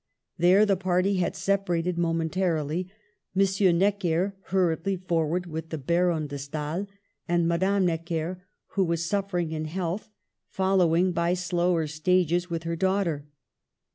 There the party had separated mo mentarily, M. Necker hurrying forward with the Baron de Stael, and Madame Necker, who was suffering in health, following by slower stages with her daughter.